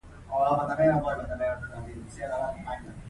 ښارونه او کلي باید بیا ورغول شي.